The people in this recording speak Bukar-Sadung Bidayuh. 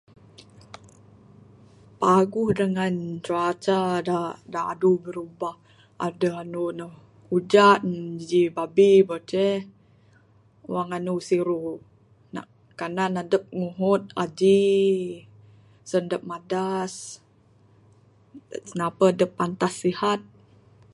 Paguh dangan cuaca da dadu birubah. Adeh anu ne ujan jaji babbi bonceh. Wang anu siru, nak kanan adep nguhut aji, sen adep madas. Napeh adep pantas sihat.